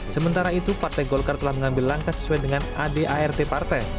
sementara itu partai golkar telah mengambil langkah sesuai dengan adart partai